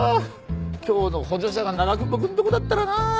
今日の補助者が長窪くんのとこだったらなあ！